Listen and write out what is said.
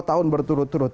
dua tahun berturut turut